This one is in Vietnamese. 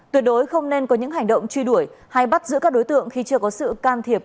tuyệt đối không nên có những hành động truy đuổi hay bắt giữ các đối tượng khi chưa có sự can thiệp